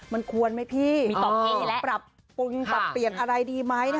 มันควรไหมพี่มีต่อไปปรับปรุงปรับเปลี่ยนอะไรดีไหม